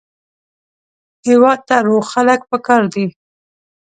هېواد ته روغ خلک پکار دي